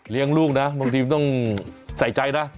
เลี้ยงลูกนะบางทีต้องใส่ใจนะ